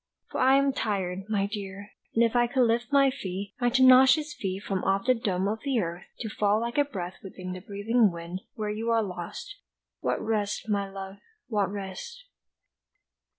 For I am tired, my dear, and if I could lift my feet, My tenacious feet from off the dome of the earth To fall like a breath within the breathing wind Where you are lost, what rest, my love, what rest!